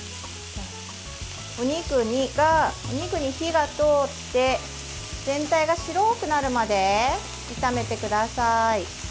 お肉に火が通って全体が白くなるまで炒めてください。